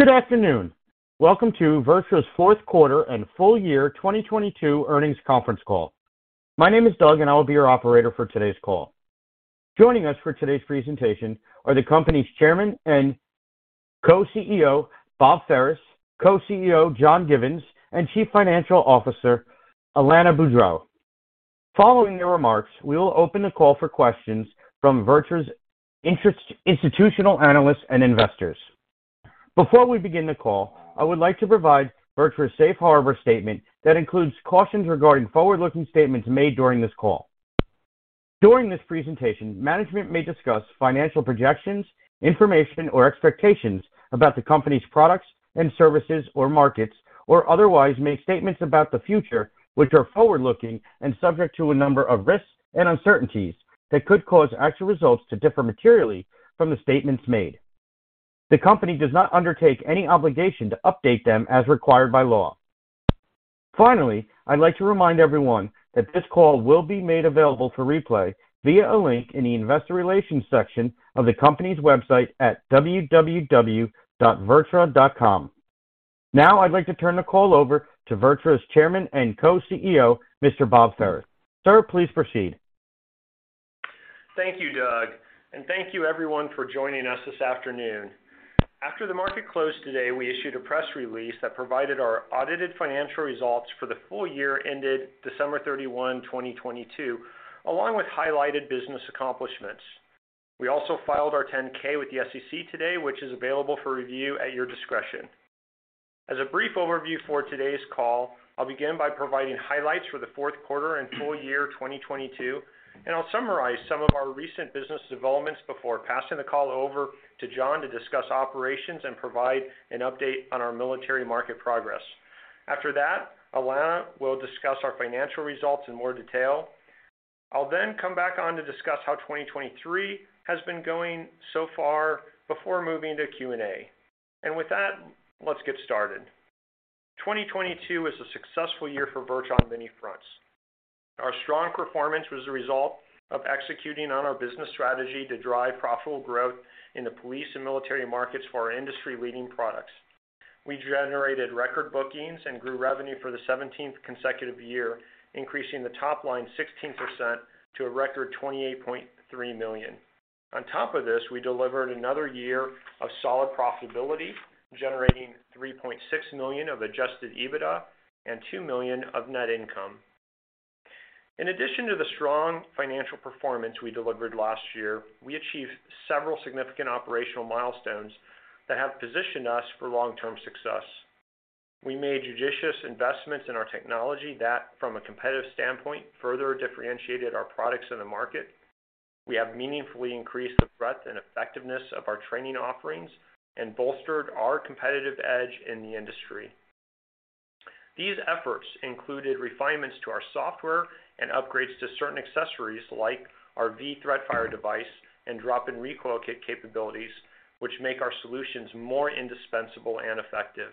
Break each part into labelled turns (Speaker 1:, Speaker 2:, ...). Speaker 1: Good afternoon. Welcome to VirTra's Fourth Quarter and Full Year 2022 Earnings Conference Call. My name is Doug. I will be your operator for today's call. Joining us for today's presentation are the company's Chairman and Co-CEO, Bob Ferris, Co-CEO, John Givens, and Chief Financial Officer, Alanna Boudreau. Following their remarks, we will open the call for questions from VirTra's institutional analysts and investors. Before we begin the call, I would like to provide VirTra's safe harbor statement that includes cautions regarding forward-looking statements made during this call. During this presentation, management may discuss financial projections, information, or expectations about the company's products and services or markets, or otherwise make statements about the future, which are forward-looking and subject to a number of risks and uncertainties that could cause actual results to differ materially from the statements made. The company does not undertake any obligation to update them as required by law. I'd like to remind everyone that this call will be made available for replay via a link in the investor relations section of the company's website at www.virtra.com. I'd like to turn the call over to VirTra's Chairman and Co-CEO, Mr. Bob Ferris. Sir, please proceed.
Speaker 2: Thank you, Doug, and thank you everyone for joining us this afternoon. After the market closed today, we issued a press release that provided our audited financial results for the full year ended 31 December 2022, along with highlighted business accomplishments. We also filed our 10-K with the SEC today, which is available for review at your discretion. As a brief overview for today's call, I'll begin by providing highlights for the fourth quarter and full year 2022, and I'll summarize some of our recent business developments before passing the call over to John to discuss operations and provide an update on our military market progress. After that, Alanna will discuss our financial results in more detail. I'll then come back on to discuss how 2023 has been going so far before moving to Q&A. With that, let's get started. 2022 was a successful year for VirTra on many fronts. Our strong performance was a result of executing on our business strategy to drive profitable growth in the police and military markets for our industry-leading products. We generated record bookings and grew revenue for the 17th consecutive year, increasing the top line 16% to a record $28.3 million. On top of this, we delivered another year of solid profitability, generating $3.6 million of Adjusted EBITDA and $2 million of net income. In addition to the strong financial performance we delivered last year, we achieved several significant operational milestones that have positioned us for long-term success. We made judicious investments in our technology that, from a competitive standpoint, further differentiated our products in the market. We have meaningfully increased the breadth and effectiveness of our training offerings and bolstered our competitive edge in the industry. These efforts included refinements to our software and upgrades to certain accessories like our V-Threat-Fire® device and Drop-In Recoil Kit capabilities, which make our solutions more indispensable and effective.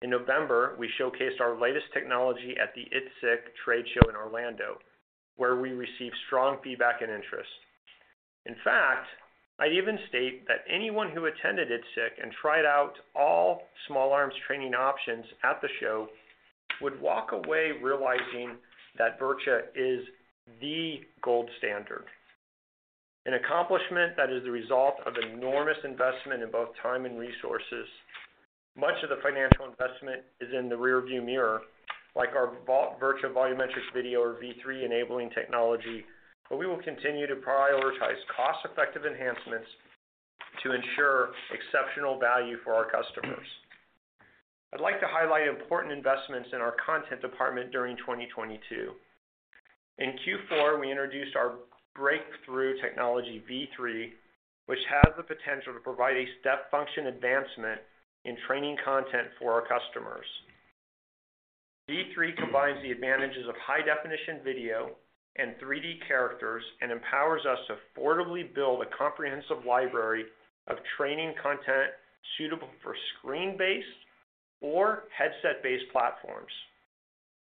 Speaker 2: In November, we showcased our latest technology at the I/ITSEC trade show in Orlando, where we received strong feedback and interest. In fact, I'd even state that anyone who attended I/ITSEC and tried out all small arms training options at the show would walk away realizing that VirTra is the gold standard. An accomplishment that is the result of enormous investment in both time and resources. Much of the financial investment is in the rearview mirror, like our VirTra Volumetric Video or V3 enabling technology, but we will continue to prioritize cost-effective enhancements to ensure exceptional value for our customers. I'd like to highlight important investments in our content department during 2022. In Q4, we introduced our breakthrough technology, V3, which has the potential to provide a step function advancement in training content for our customers. V3 combines the advantages of high definition video and 3D characters and empowers us to affordably build a comprehensive library of training content suitable for screen-based or headset-based platforms.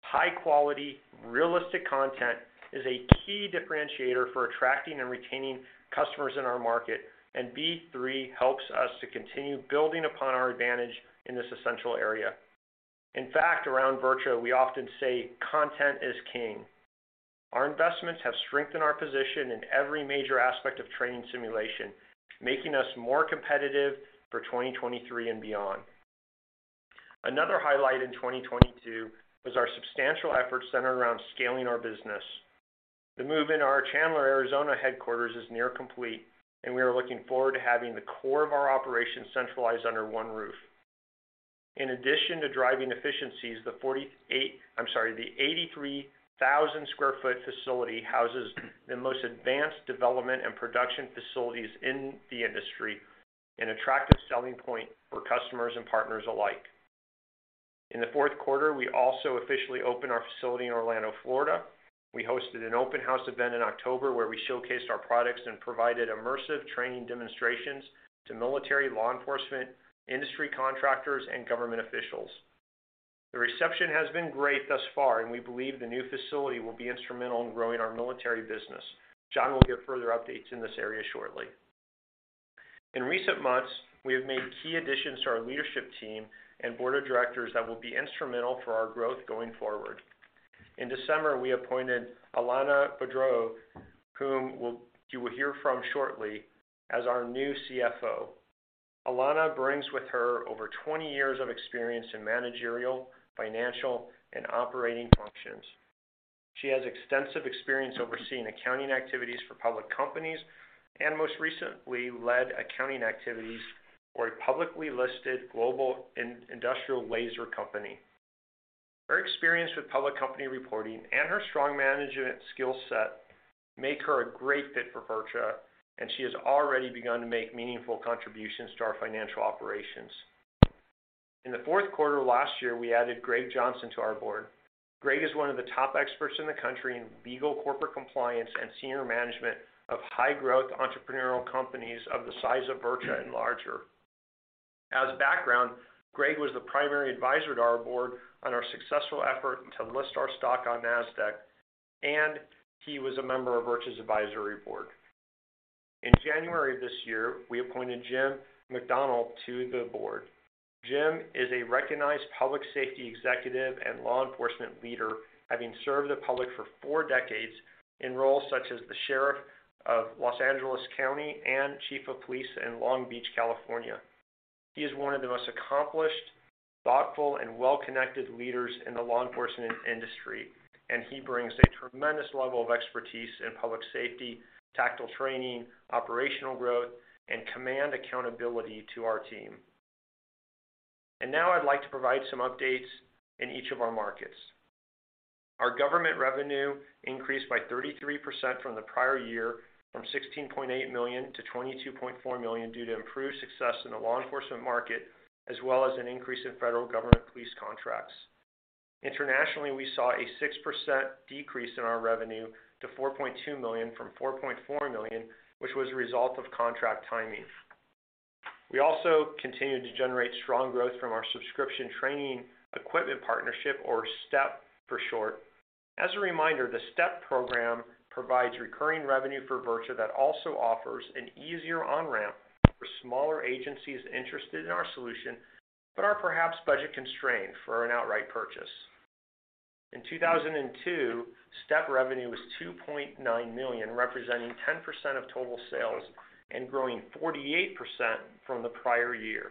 Speaker 2: High quality, realistic content is a key differentiator for attracting and retaining customers in our market. V3 helps us to continue building upon our advantage in this essential area. In fact, around VirTra, we often say content is king. Our investments have strengthened our position in every major aspect of training simulation, making us more competitive for 2023 and beyond. Another highlight in 2022 was our substantial efforts centered around scaling our business. The move in our Chandler, Arizona headquarters is near complete, and we are looking forward to having the core of our operations centralized under one roof. In addition to driving efficiencies, the 83,000 sq ft facility houses the most advanced development and production facilities in the industry, an attractive selling point for customers and partners alike. In the fourth quarter, we also officially opened our facility in Orlando, Florida. We hosted an open house event in October, where we showcased our products and provided immersive training demonstrations to military, law enforcement, industry contractors, and government officials. The reception has been great thus far, and we believe the new facility will be instrumental in growing our military business. John will give further updates in this area shortly. In recent months, we have made key additions to our leadership team and board of directors that will be instrumental for our growth going forward. In December, we appointed Alanna Boudreau, whom you will hear from shortly, as our new CFO. Alanna brings with her over 20 years of experience in managerial, financial, and operating functions. She has extensive experience overseeing accounting activities for public companies, and most recently led accounting activities for a publicly listed global industrial laser company. Her experience with public company reporting and her strong management skill set make her a great fit for VirTra, and she has already begun to make meaningful contributions to our financial operations. In the fourth quarter last year, we added Gregg Johnson to our board. Gregg is one of the top experts in the country in legal corporate compliance and senior management of high growth entrepreneurial companies of the size of VirTra and larger. As background, Gregg was the primary advisor to our board on our successful effort to list our stock on Nasdaq. He was a member of VirTra's advisory board. In January of this year, we appointed Jim McDonnell to the board. Jim is a recognized public safety executive and law enforcement leader, having served the public for four decades in roles such as the Sheriff of Los Angeles County and Chief of Police in Long Beach, California. He is one of the most accomplished, thoughtful, and well-connected leaders in the law enforcement industry. He brings a tremendous level of expertise in public safety, tactical training, operational growth, and command accountability to our team. Now I'd like to provide some updates in each of our markets. Our government revenue increased by 33% from the prior year from $16.8 million to $22.4 million due to improved success in the law enforcement market, as well as an increase in federal government police contracts. Internationally, we saw a 6% decrease in our revenue to $4.2 million from $4.4 million, which was a result of contract timing. We also continued to generate strong growth from our subscription training equipment partnership or STEP for short. As a reminder, the STEP program provides recurring revenue for VirTra that also offers an easier on-ramp for smaller agencies interested in our solution, but are perhaps budget-constrained for an outright purchase. In 2002, STEP revenue was $2.9 million, representing 10% of total sales and growing 48% from the prior year.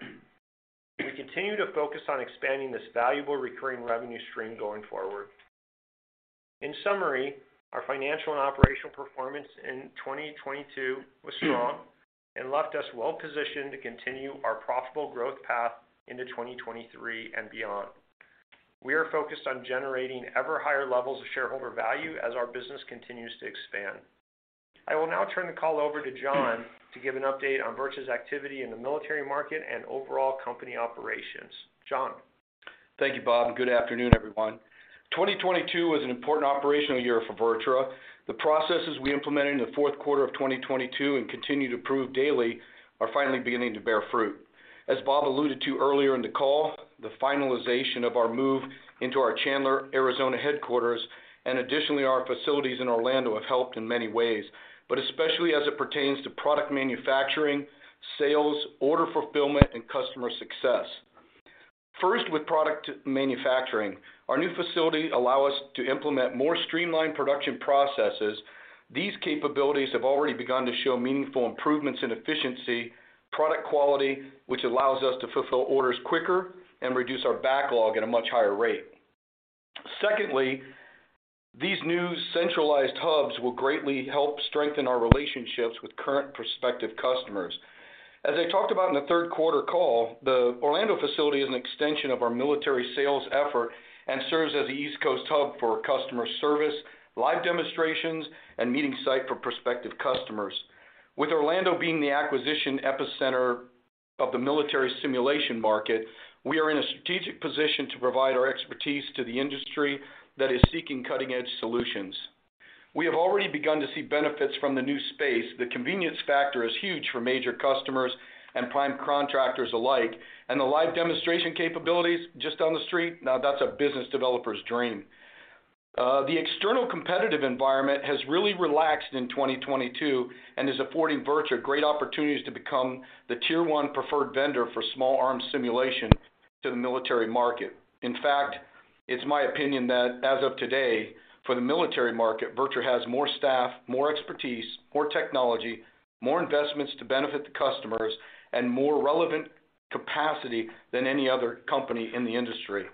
Speaker 2: We continue to focus on expanding this valuable recurring revenue stream going forward. In summary, our financial and operational performance in 2022 was strong and left us well-positioned to continue our profitable growth path into 2023 and beyond. We are focused on generating ever higher levels of shareholder value as our business continues to expand. I will now turn the call over to John to give an update on VirTra's activity in the military market and overall company operations. John.
Speaker 3: Thank you, Bob. Good afternoon, everyone. 2022 was an important operational year for VirTra. The processes we implemented in the fourth quarter of 2022 and continue to prove daily are finally beginning to bear fruit. As Bob alluded to earlier in the call, the finalization of our move into our Chandler, Arizona, headquarters, and additionally, our facilities in Orlando have helped in many ways, but especially as it pertains to product manufacturing, sales, order fulfillment, and customer success. First, with product manufacturing. Our new facility allow us to implement more streamlined production processes. These capabilities have already begun to show meaningful improvements in efficiency, product quality, which allows us to fulfill orders quicker and reduce our backlog at a much higher rate. Secondly, these new centralized hubs will greatly help strengthen our relationships with current prospective customers. As I talked about in the third quarter call, the Orlando facility is an extension of our military sales effort and serves as the East Coast hub for customer service, live demonstrations, and meeting site for prospective customers. With Orlando being the acquisition epicenter of the military simulation market, we are in a strategic position to provide our expertise to the industry that is seeking cutting-edge solutions. We have already begun to see benefits from the new space. The convenience factor is huge for major customers and prime contractors alike, and the live demonstration capabilities just down the street, now that's a business developer's dream. The external competitive environment has really relaxed in 2022 and is affording VirTra great opportunities to become the tier one preferred vendor for small arm simulation to the military market. In fact, it's my opinion that as of today, for the military market, VirTra has more staff, more expertise, more technology, more investments to benefit the customers, and more relevant capacity than any other company in the industry.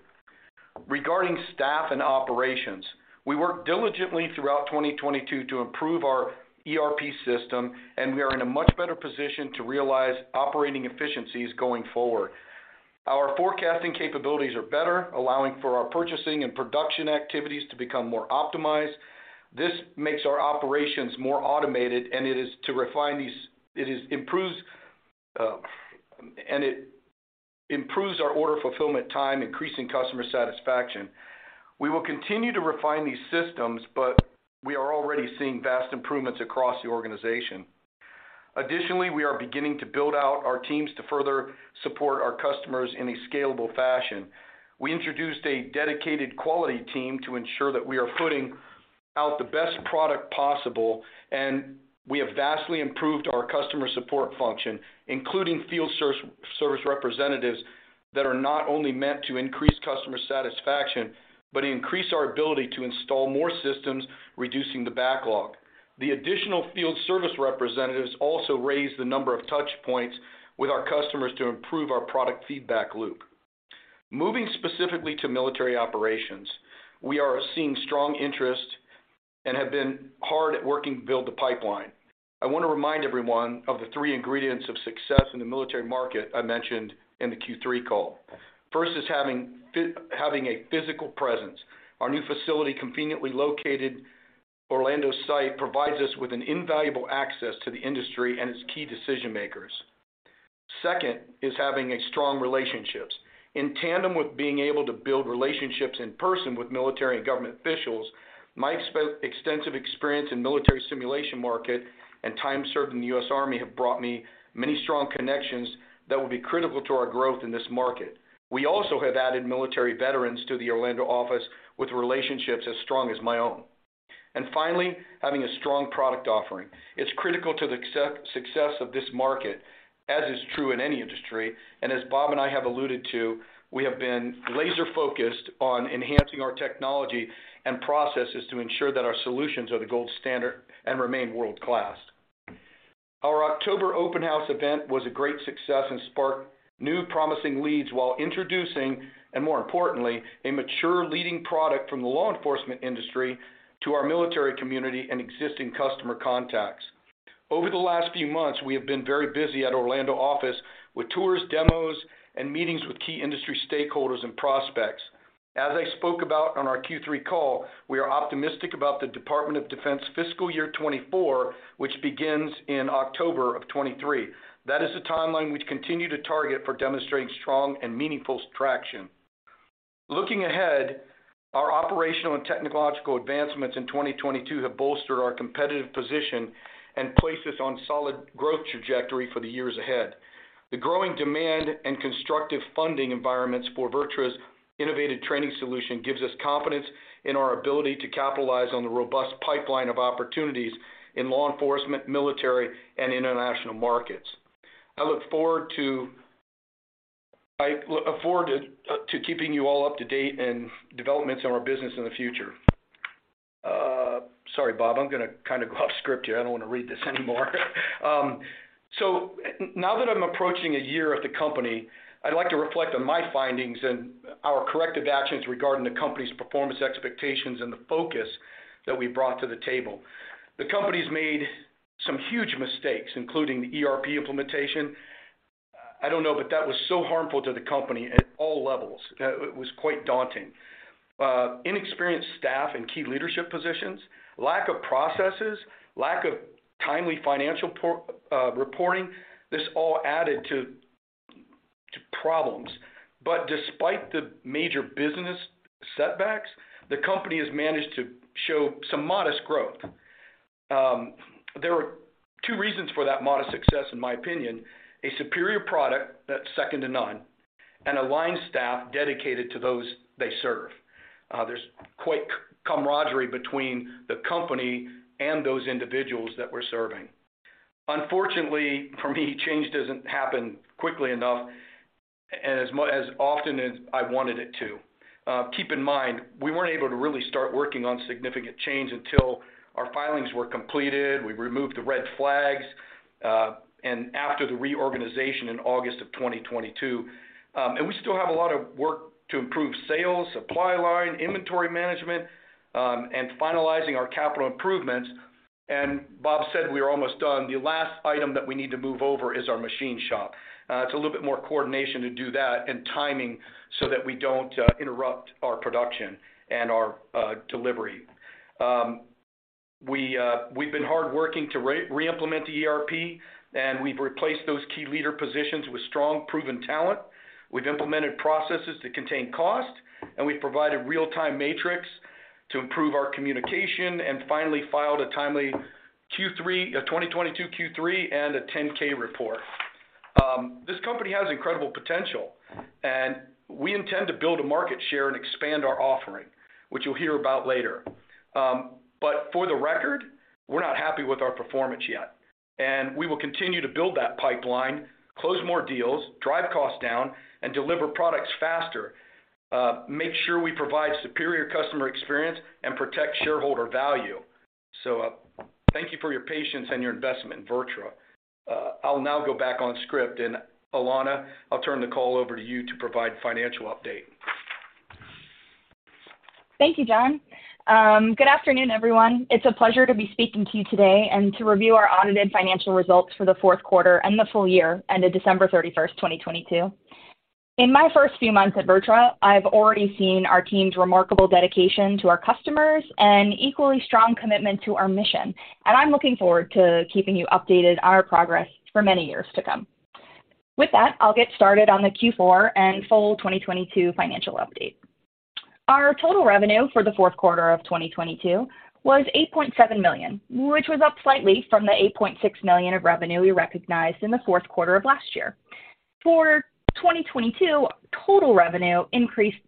Speaker 3: Regarding staff and operations, we worked diligently throughout 2022 to improve our ERP system. We are in a much better position to realize operating efficiencies going forward. Our forecasting capabilities are better, allowing for our purchasing and production activities to become more optimized. This makes our operations more automated, and it improves our order fulfillment time, increasing customer satisfaction. We will continue to refine these systems. We are already seeing vast improvements across the organization. Additionally, we are beginning to build out our teams to further support our customers in a scalable fashion. We introduced a dedicated quality team to ensure that we are putting out the best product possible, and we have vastly improved our customer support function, including field service representatives that are not only meant to increase customer satisfaction, but increase our ability to install more systems, reducing the backlog. The additional field service representatives also raise the number of touch points with our customers to improve our product feedback loop. Moving specifically to military operations, we are seeing strong interest and have been hard at working to build the pipeline. I wanna remind everyone of the three ingredients of success in the military market I mentioned in the Q3 call. First is having a physical presence. Our new facility, conveniently located Orlando site, provides us with an invaluable access to the industry and its key decision-makers. Second is having a strong relationships. In tandem with being able to build relationships in person with military and government officials, my extensive experience in military simulation market and time served in the U.S. Army have brought me many strong connections that will be critical to our growth in this market. We also have added military veterans to the Orlando office with relationships as strong as my own. Finally, having a strong product offering. It's critical to the success of this market, as is true in any industry. As Bob and I have alluded to, we have been laser-focused on enhancing our technology and processes to ensure that our solutions are the gold standard and remain world-class. Our October open house event was a great success and sparked new promising leads while introducing, and more importantly, a mature leading product from the law enforcement industry to our military community and existing customer contacts. Over the last few months, we have been very busy at Orlando office with tours, demos, and meetings with key industry stakeholders and prospects. As I spoke about on our Q3 call, we are optimistic about the Department of Defense Fiscal Year 2024, which begins in October of 2023. That is the timeline we continue to target for demonstrating strong and meaningful traction. Looking ahead, our operational and technological advancements in 2022 have bolstered our competitive position and placed us on solid growth trajectory for the years ahead. The growing demand and constructive funding environments for VirTra's innovative training solution gives us confidence in our ability to capitalize on the robust pipeline of opportunities in law enforcement, military, and international markets. I look forward to keeping you all up to date in developments in our business in the future. Sorry, Bob, I'm gonna kinda go off script here. I don't wanna read this anymore. Now that I'm approaching a year at the company, I'd like to reflect on my findings and our corrective actions regarding the company's performance expectations and the focus that we brought to the table. The company's made some huge mistakes, including the ERP implementation. I don't know, that was so harmful to the company at all levels. It was quite daunting. Inexperienced staff in key leadership positions, lack of processes, lack of timely financial reporting, this all added to problems. Despite the major business setbacks, the company has managed to show some modest growth. There are two reasons for that modest success, in my opinion: a superior product that's second to none, and a line staff dedicated to those they serve. There's quite camaraderie between the company and those individuals that we're serving. Unfortunately, for me, change doesn't happen quickly enough as often as I wanted it to. Keep in mind, we weren't able to really start working on significant change until our filings were completed, we removed the red flags, and after the reorganization in August of 2022. We still have a lot of work to improve sales, supply line, inventory management, and finalizing our capital improvements. Bob said we are almost done. The last item that we need to move over is our machine shop. It's a little bit more coordination to do that and timing so that we don't interrupt our production and our delivery. We've been hardworking to reimplement the ERP, and we've replaced those key leader positions with strong, proven talent. We've implemented processes to contain cost, and we've provided real-time metrics to improve our communication, and finally filed a timely 2022 Q3 and a 10-K report. This company has incredible potential, and we intend to build a market share and expand our offering, which you'll hear about later. For the record, we're not happy with our performance yet, and we will continue to build that pipeline, close more deals, drive costs down, and deliver products faster, make sure we provide superior customer experience, and protect shareholder value. Thank you for your patience and your investment in VirTra. I'll now go back on script. Alanna, I'll turn the call over to you to provide financial update.
Speaker 4: Thank you, John. Good afternoon, everyone. It's a pleasure to be speaking to you today and to review our audited financial results for the fourth quarter and the full year ended 31 December 2022. In my first few months at VirTra, I've already seen our team's remarkable dedication to our customers and equally strong commitment to our mission, and I'm looking forward to keeping you updated on our progress for many years to come. With that, I'll get started on the Q4 and full 2022 financial update. Our total revenue for the fourth quarter of 2022 was $8.7 million, which was up slightly from the $8.6 million of revenue we recognized in the fourth quarter of last year. For 2022, total revenue increased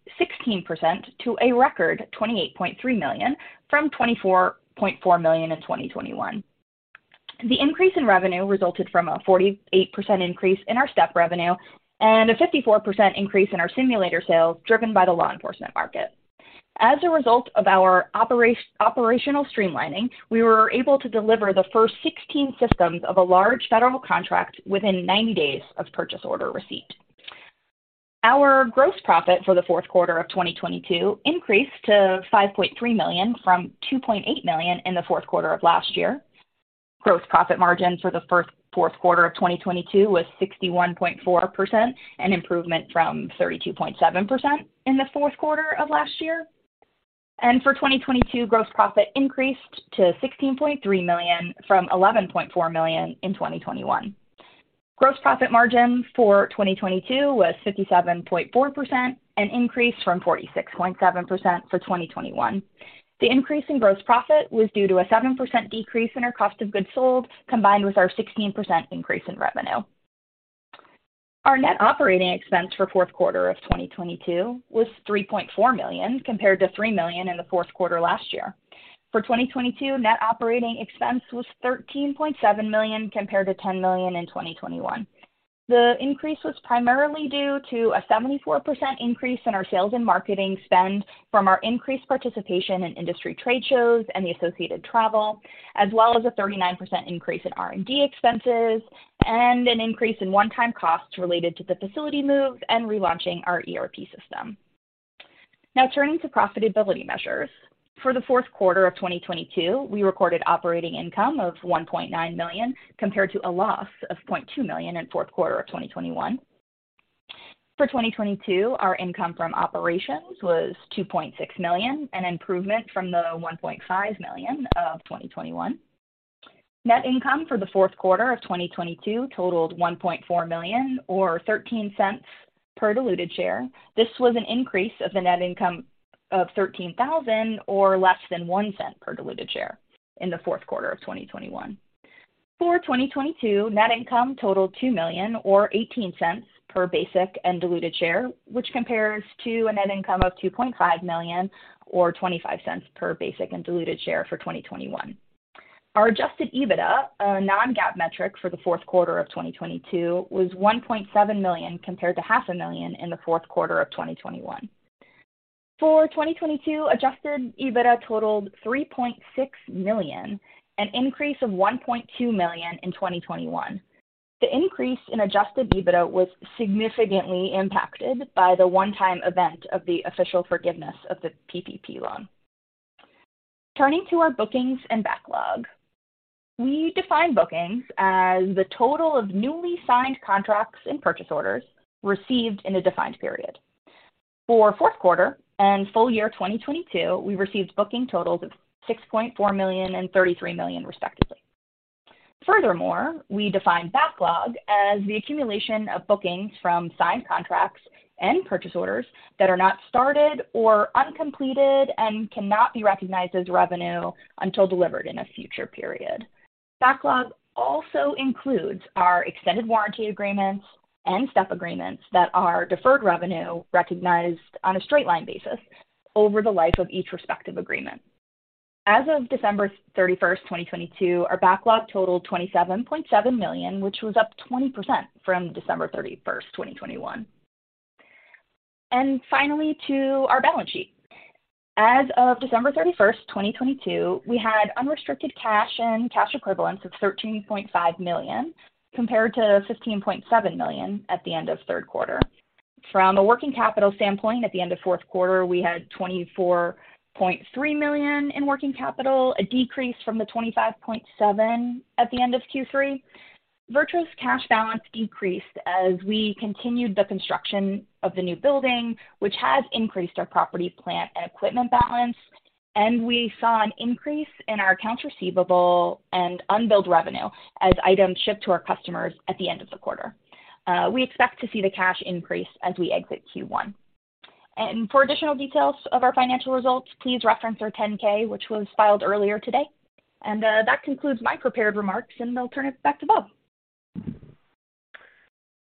Speaker 4: 16% to a record $28.3 million from $24.4 million in 2021. The increase in revenue resulted from a 48% increase in our STEP revenue and a 54% increase in our simulator sales driven by the law enforcement market. As a result of our operational streamlining, we were able to deliver the first 16 systems of a large federal contract within 90 days of purchase order receipt. Our gross profit for the fourth quarter of 2022 increased to $5.3 million from $2.8 million in the fourth quarter of last year. Gross profit margin for the first fourth quarter of 2022 was 61.4%, an improvement from 32.7% in the fourth quarter of last year. For 2022, gross profit increased to $16.3 million from $11.4 million in 2021. Gross profit margin for 2022 was 57.4%, an increase from 46.7% for 2021. The increase in gross profit was due to a 7% decrease in our cost of goods sold, combined with our 16% increase in revenue. Our net operating expense for 4th quarter of 2022 was $3.4 million, compared to $3 million in the fourth quarter last year. For 2022, net operating expense was $13.7 million, compared to $10 million in 2021. The increase was primarily due to a 74% increase in our sales and marketing spend from our increased participation in industry trade shows and the associated travel, as well as a 39% increase in R&D expenses and an increase in one-time costs related to the facility move and relaunching our ERP system. Turning to profitability measures. For the fourth quarter of 2022, we recorded operating income of $1.9 million, compared to a loss of $0.2 million in fourth quarter of 2021. For 2022, our income from operations was $2.6 million, an improvement from the $1.5 million of 2021. Net income for the fourth quarter of 2022 totaled $1.4 million or $0.13 per diluted share. This was an increase of the net income of $13,000 or less than $0.01 per diluted share in the fourth quarter of 2021. For 2022, net income totaled $2 million or $0.18 per basic and diluted share, which compares to a net income of $2.5 million or $0.25 per basic and diluted share for 2021. Our Adjusted EBITDA, a non-GAAP metric for the fourth quarter of 2022, was $1.7 million, compared to $500,000 in the fourth quarter of 2021. For 2022, Adjusted EBITDA totaled $3.6 million, an increase of $1.2 million in 2021. The increase in Adjusted EBITDA was significantly impacted by the one-time event of the official forgiveness of the PPP loan. Turning to our bookings and backlog. We define bookings as the total of newly signed contracts and purchase orders received in a defined period. For fourth quarter and full year 2022, we received booking totals of $6.4 million and $33 million respectively. Furthermore, we define backlog as the accumulation of bookings from signed contracts and purchase orders that are not started or uncompleted and cannot be recognized as revenue until delivered in a future period. Backlog also includes our extended warranty agreements and STEP agreements that are deferred revenue recognized on a straight-line basis over the life of each respective agreement. As of 31 December 2022, our backlog totaled $27.7 million, which was up 20% from 31 December 2021. Finally, to our balance sheet. As of 31 December 2022, we had unrestricted cash and cash equivalents of $13.5 million, compared to $15.7 million at the end of third quarter. From a working capital standpoint, at the end of fourth quarter, we had $24.3 million in working capital, a decrease from the $25.7 million at the end of Q3. VirTra's cash balance increased as we continued the construction of the new building, which has increased our property, plant, and equipment balance, and we saw an increase in our accounts receivable and unbilled revenue as items shipped to our customers at the end of the quarter. We expect to see the cash increase as we exit Q1. For additional details of our financial results, please reference our 10-K, which was filed earlier today. That concludes my prepared remarks, and I'll turn it back to Bob.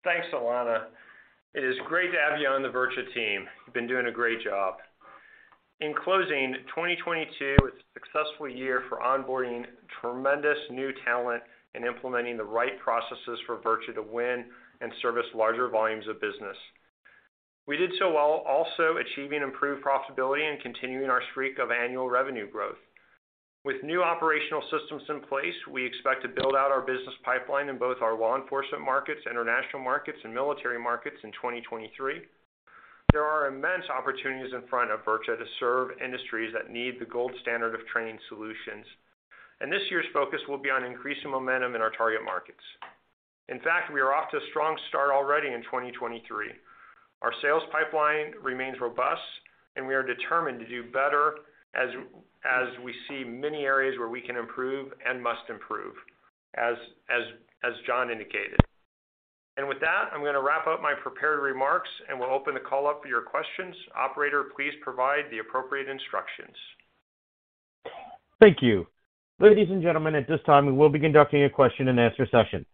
Speaker 2: Thanks, Alanna. It is great to have you on the VirTra team. You've been doing a great job. In closing, 2022 was a successful year for onboarding tremendous new talent and implementing the right processes for VirTra to win and service larger volumes of business. We did so while also achieving improved profitability and continuing our streak of annual revenue growth. With new operational systems in place, we expect to build out our business pipeline in both our law enforcement markets, international markets, and military markets in 2023. There are immense opportunities in front of VirTra to serve industries that need the gold standard of training solutions, and this year's focus will be on increasing momentum in our target markets. In fact, we are off to a strong start already in 2023. Our sales pipeline remains robust, and we are determined to do better as we see many areas where we can improve and must improve, as John indicated. With that, I'm gonna wrap up my prepared remarks, and we'll open the call up for your questions. Operator, please provide the appropriate instructions.
Speaker 1: Thank you. Ladies and gentlemen, at this time, we will be conducting a question-and-answer session.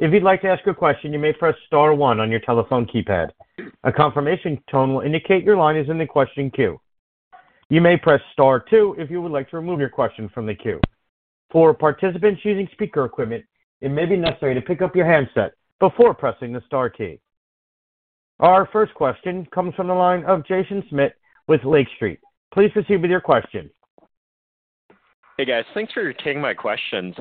Speaker 1: If you'd like to ask a question, you may press star one on your telephone keypad. A confirmation tone will indicate your line is in the question queue. You may press star two if you would like to remove your question from the queue. For participants using speaker equipment, it may be necessary to pick up your handset before pressing the star key. Our first question comes from the line of Jaeson Schmidt with Lake Street. Please proceed with your question.
Speaker 5: Hey, guys. Thanks for taking my questions.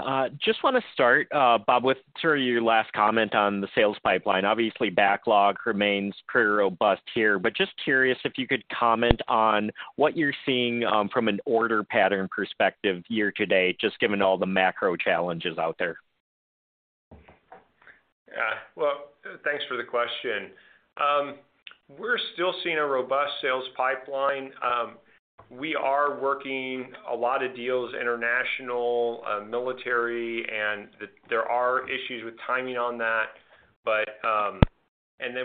Speaker 5: Just wanna start, Bob, with sort of your last comment on the sales pipeline. Obviously, backlog remains pretty robust here. Just curious if you could comment on what you're seeing from an order pattern perspective year to date, just given all the macro challenges out there.
Speaker 2: Yeah. Well, thanks for the question. We're still seeing a robust sales pipeline. We are working a lot of deals, international, military, and there are issues with timing on that, but.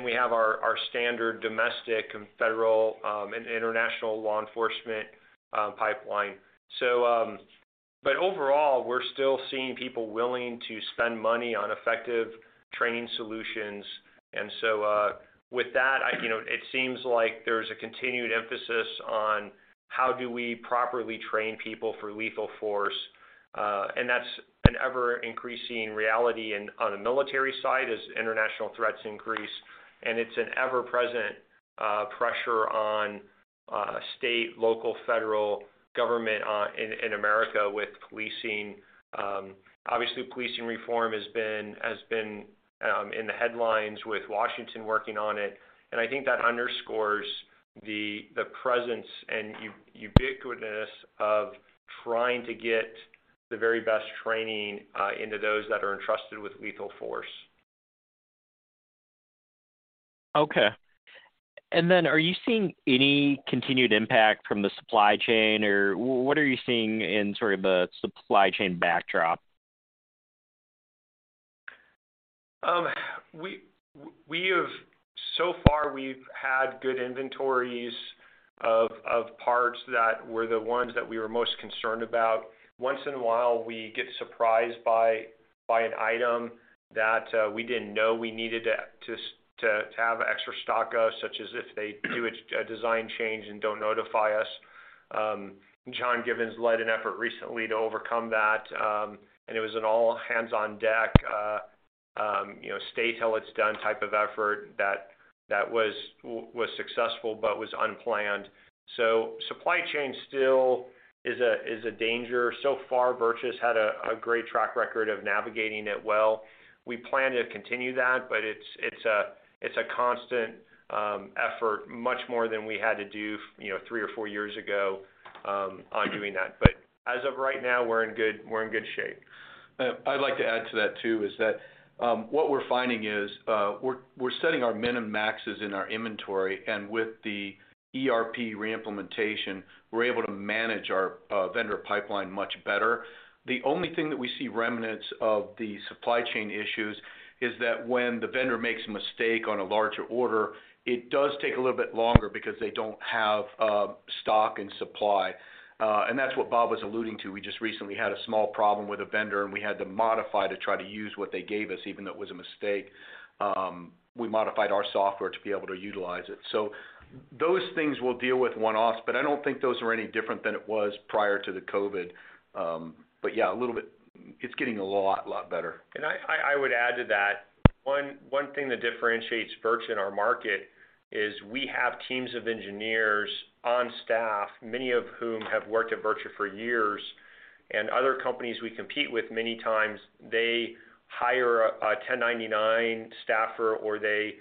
Speaker 2: We have our standard domestic and federal and international law enforcement pipeline. Overall, we're still seeing people willing to spend money on effective training solutions. With that, you know, it seems like there's a continued emphasis on how do we properly train people for lethal force, and that's an ever-increasing reality on the military side as international threats increase, and it's an ever-present pressure on state, local, federal government in America with policing. Obviously, policing reform has been in the headlines with Washington working on it. I think that underscores the presence and ubiquity of trying to get the very best training into those that are entrusted with lethal force.
Speaker 5: Okay. Are you seeing any continued impact from the supply chain? What are you seeing in sort of the supply chain backdrop?
Speaker 2: So far, we've had good inventories of parts that were the ones that we were most concerned about. Once in a while, we get surprised by an item that we didn't know we needed to have extra stock of, such as if they do a design change and don't notify us. John Givens led an effort recently to overcome that, and it was an all hands-on deck, you know, stay till it's done type of effort that was successful but was unplanned. Supply chain still is a danger. So far, VirTra's had a great track record of navigating it well. We plan to continue that, but it's a constant effort, much more than we had to do, you know, three or four years ago, on doing that. As of right now, we're in good shape.
Speaker 3: I'd like to add to that too, is that what we're finding is, we're setting our min and maxes in our inventory, and with the ERP re-implementation, we're able to manage our vendor pipeline much better. The only thing that we see remnants of the supply chain issues is that when the vendor makes a mistake on a larger order, it does take a little bit longer because they don't have stock and supply. That's what Bob was alluding to. We just recently had a small problem with a vendor, and we had to modify to try to use what they gave us, even though it was a mistake. We modified our software to be able to utilize it. Those things we'll deal with one-offs, but I don't think those are any different than it was prior to the COVID. Yeah, It's getting a lot better.
Speaker 2: I would add to that. One thing that differentiates VirTra in our market is we have teams of engineers on staff, many of whom have worked at VirTra for years. Other companies we compete with, many times, they hire a 1099 staffer, or they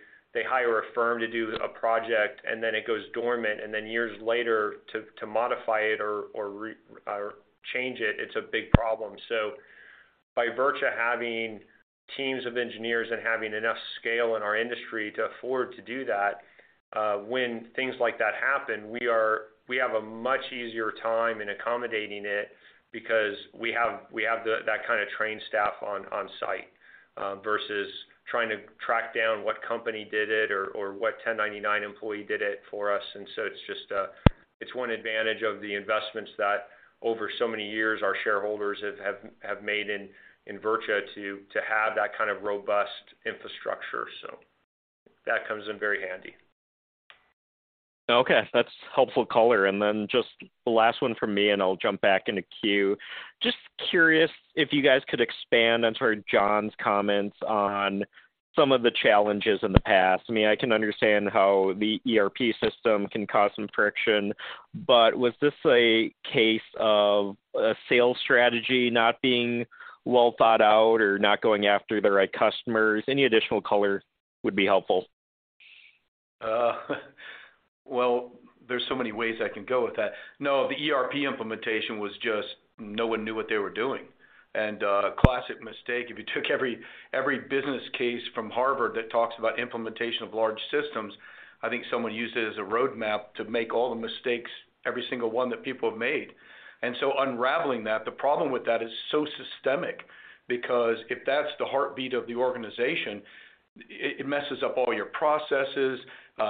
Speaker 2: hire a firm to do a project, and then it goes dormant. Then years later, to modify it or change it's a big problem. By VirTra having teams of engineers and having enough scale in our industry to afford to do that, when things like that happen, we have a much easier time in accommodating it because we have that kind of trained staff on site, versus trying to track down what company did it or what 1099 employee did it for us. It's just, it's one advantage of the investments that over so many years our shareholders have made in VirTra to have that kind of robust infrastructure. That comes in very handy.
Speaker 5: Okay. That's helpful color. Then just the last one from me, and I'll jump back in the queue. Just curious if you guys could expand on sort of John's comments on some of the challenges in the past. I mean, I can understand how the ERP system can cause some friction, but was this a case of a sales strategy not being well thought out or not going after the right customers? Any additional color would be helpful.
Speaker 3: Well, there's so many ways I can go with that. No, the ERP implementation was just no one knew what they were doing. Classic mistake, if you took every business case from Harvard that talks about implementation of large systems, I think someone used it as a roadmap to make all the mistakes, every single one that people have made. Unraveling that, the problem with that is so systemic, because if that's the heartbeat of the organization, it messes up all your processes.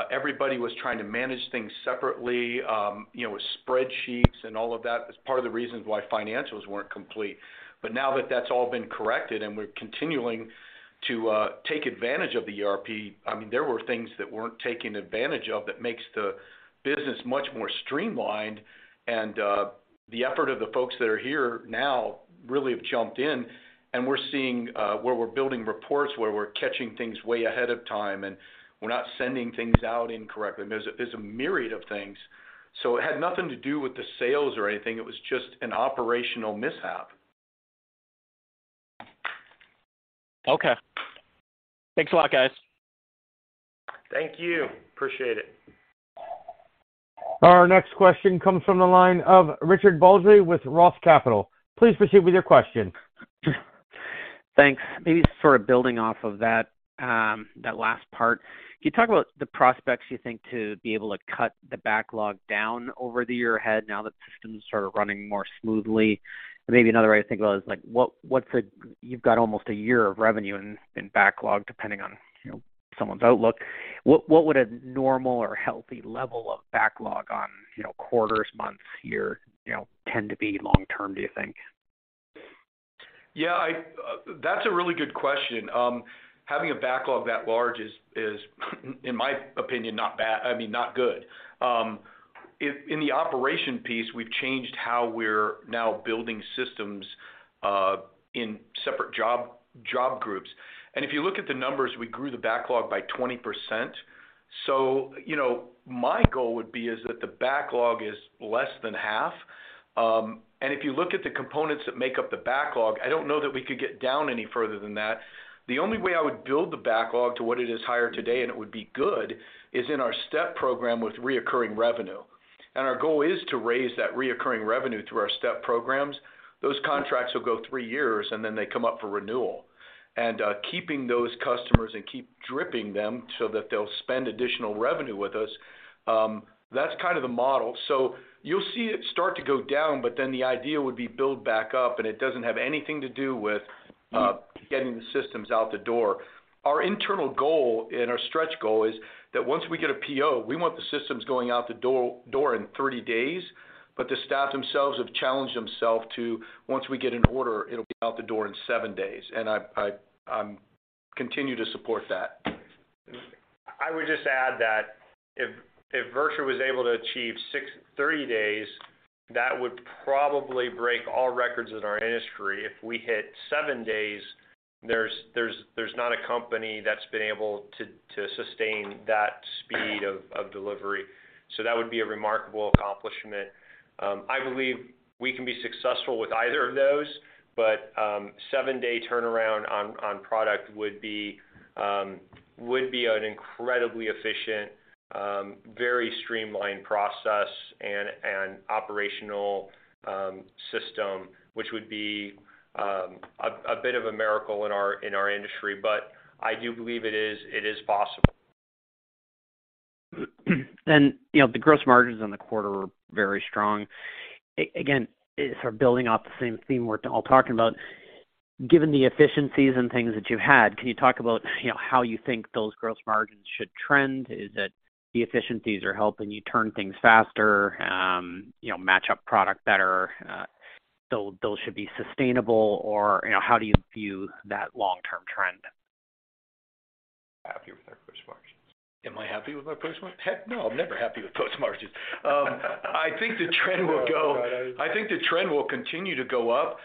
Speaker 3: Everybody was trying to manage things separately, you know, with spreadsheets and all of that. That's part of the reason why financials weren't complete. Now that that's all been corrected and we're continuing to take advantage of the ERP, I mean, there were things that weren't taken advantage of that makes the business much more streamlined, and the effort of the folks that are here now really have jumped in. We're seeing where we're building reports, where we're catching things way ahead of time, and we're not sending things out incorrectly. There's a myriad of things. It had nothing to do with the sales or anything. It was just an operational mishap.
Speaker 5: Okay. Thanks a lot, guys.
Speaker 2: Thank you. Appreciate it.
Speaker 1: Our next question comes from the line of Richard Baldry with ROTH Capital Partners. Please proceed with your question.
Speaker 6: Thanks. Maybe sort of building off of that last part. Can you talk about the prospects you think to be able to cut the backlog down over the year ahead now that systems are running more smoothly? Maybe another way to think about it is like what's a You've got almost a year of revenue in backlog, depending on, you know, someone's outlook. What, what would a normal or healthy level of backlog on, you know, quarters, months, year, you know, tend to be long-term, do you think?
Speaker 3: Yeah, that's a really good question. Having a backlog that large is, in my opinion, I mean, not good. In the operation piece, we've changed how we're now building systems in separate job groups. If you look at the numbers, we grew the backlog by 20%. You know, my goal would be is that the backlog is less than half. If you look at the components that make up the backlog, I don't know that we could get down any further than that. The only way I would build the backlog to what it is higher today, and it would be good, is in our STEP program with recurring revenue. Our goal is to raise that recurring revenue through our STEP programs. Those contracts will go three years, they come up for renewal. Keeping those customers and keep dripping them so that they'll spend additional revenue with us, that's kind of the model. You'll see it start to go down, but then the idea would be build back up, and it doesn't have anything to do with getting the systems out the door. Our internal goal and our stretch goal is that once we get a PO, we want the systems going out the door in 30 days. The staff themselves have challenged themselves to, once we get an order, it'll be out the door in seven days, and I continue to support that.
Speaker 2: I would just add that if VirTra was able to achieve 30 days, that would probably break all records in our industry. If we hit seven days, there's not a company that's been able to sustain that speed of delivery. That would be a remarkable accomplishment. I believe we can be successful with either of those, but seven-day turnaround on product would be an incredibly efficient, very streamlined process and operational system, which would be a bit of a miracle in our industry. I do believe it is possible.
Speaker 6: you know, the gross margins on the quarter were very strong. Again, sort of building off the same theme we're all talking about, given the efficiencies and things that you've had, can you talk about, you know, how you think those gross margins should trend? Is it the efficiencies are helping you turn things faster, you know, match up product better? those should be sustainable or, you know, how do you view that long-term trend?
Speaker 2: Happy with our gross margins.
Speaker 3: Am I happy with my gross margins? Heck no, I'm never happy with gross margins. I think the trend will.
Speaker 2: Go ahead.
Speaker 3: I think the trend will continue to go up.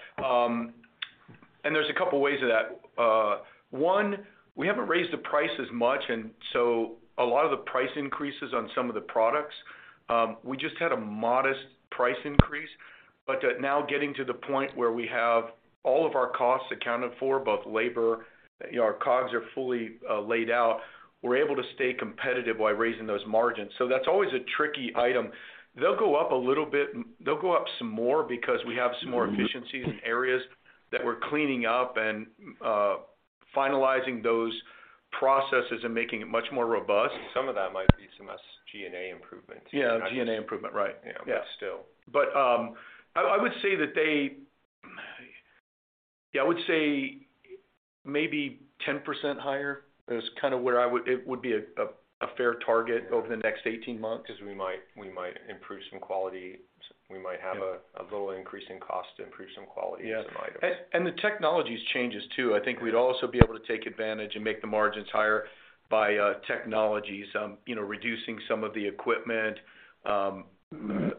Speaker 3: There's a couple ways of that. One, we haven't raised the price as much, and so a lot of the price increases on some of the products, we just had a modest price increase. Now getting to the point where we have all of our costs accounted for, both labor, you know, our COGS are fully laid out, we're able to stay competitive while raising those margins. That's always a tricky item. They'll go up a little bit. They'll go up some more because we have some more efficiencies in areas that we're cleaning up and finalizing those processes and making it much more robust.
Speaker 2: Some of that might be some G&A improvements.
Speaker 3: Yeah, G&A improvement, right.
Speaker 2: Yeah.
Speaker 3: Yeah.
Speaker 2: still.
Speaker 3: I would say maybe 10% higher is kind of where it would be a fair target over the next 18 months.
Speaker 2: We might improve some quality. We might have.
Speaker 3: Yeah
Speaker 2: ...a little increase in cost to improve some quality of some items.
Speaker 3: The technologies changes too. I think we'd also be able to take advantage and make the margins higher by technology, some, you know, reducing some of the equipment. You know,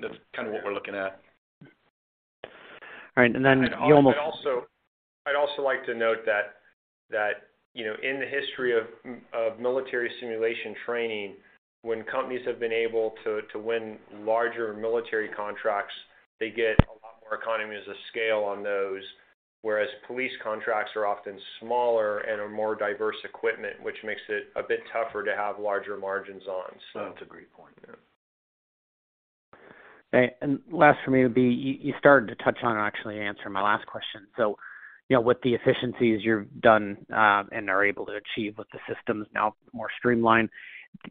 Speaker 3: that's kind of what we're looking at.
Speaker 6: All right.
Speaker 2: I'd also like to note that, you know, in the history of military simulation training, when companies have been able to win larger military contracts, they get a lot more economy as a scale on those. Whereas police contracts are often smaller and are more diverse equipment, which makes it a bit tougher to have larger margins on, so.
Speaker 3: That's a great point. Yeah.
Speaker 6: Last for me would be, you started to touch on it actually answering my last question. You know, with the efficiencies you've done, and are able to achieve with the systems now more streamlined,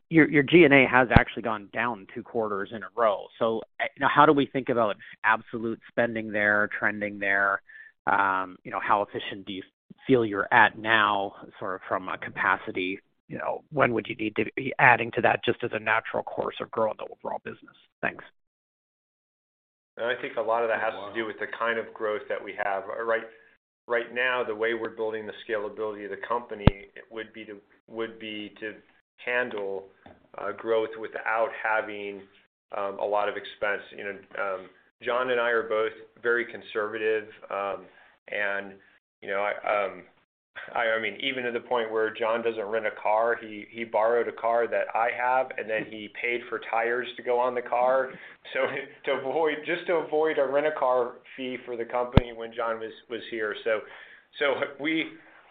Speaker 6: your G&A has actually gone down two quarters in a row. You know, how do we think about absolute spending there, trending there? You know, how efficient do you feel you're at now sort of from a capacity? You know, when would you need to be adding to that just as a natural course of growing the overall business? Thanks.
Speaker 2: I think a lot of that has to do with the kind of growth that we have. Right now, the way we're building the scalability of the company would be to handle growth without having a lot of expense. You know, John and I are both very conservative. I mean, even to the point where John doesn't rent a car. He borrowed a car that I have, and then he paid for tires to go on the car, so, just to avoid a rent-a-car fee for the company when John was here.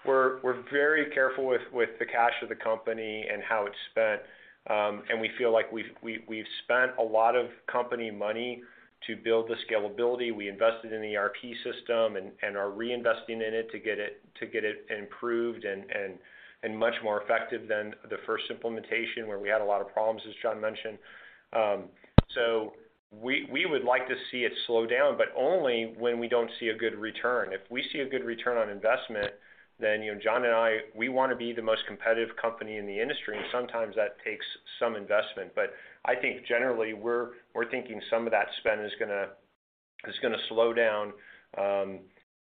Speaker 2: We're very careful with the cash of the company and how it's spent. We feel like we've spent a lot of company money to build the scalability. We invested in the ERP system and are reinvesting in it to get it improved and much more effective than the first implementation where we had a lot of problems, as John mentioned. We would like to see it slow down, but only when we don't see a good return. If we see a good return on investment, then, you know, John and I, we wanna be the most competitive company in the industry, and sometimes that takes some investment. I think generally we're thinking some of that spend is gonna slow down.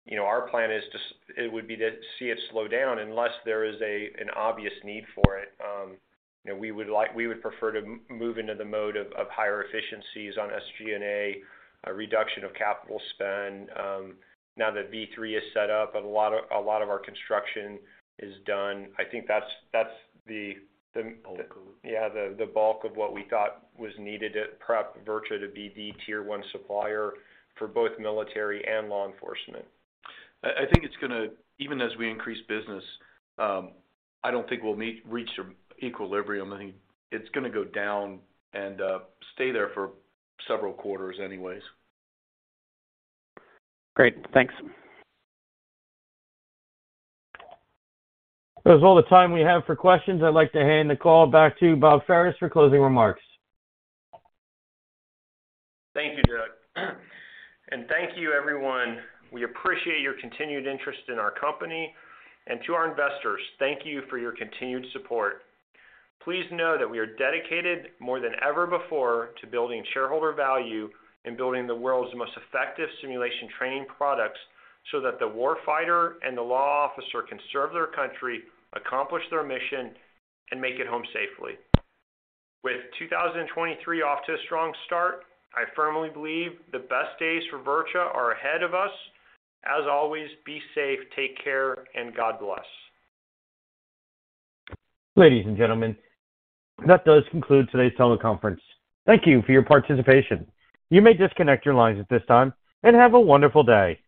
Speaker 2: You know, our plan is it would be to see it slow down unless there is an obvious need for it. You know, we would like... we would prefer to move into the mode of higher efficiencies on SG&A, a reduction of capital spend. Now that V3 is set up and a lot of our construction is done, I think that's the.
Speaker 3: Bulk of it.
Speaker 2: Yeah, the bulk of what we thought was needed to prep VirTra to be the tier one supplier for both military and law enforcement.
Speaker 3: I think it's gonna even as we increase business, I don't think we'll reach an equilibrium. I think it's gonna go down and stay there for several quarters anyways.
Speaker 6: Great. Thanks.
Speaker 1: That was all the time we have for questions. I'd like to hand the call back to Bob Ferris for closing remarks.
Speaker 2: Thank you, Doug. Thank you, everyone. We appreciate your continued interest in our company. To our investors, thank you for your continued support. Please know that we are dedicated more than ever before to building shareholder value and building the world's most effective simulation training products so that the war fighter and the law officer can serve their country, accomplish their mission, and make it home safely. With 2023 off to a strong start, I firmly believe the best days for VirTra are ahead of us. As always, be safe, take care, and God bless.
Speaker 1: Ladies and gentlemen, that does conclude today's teleconference. Thank you for your participation. You may disconnect your lines at this time. Have a wonderful day.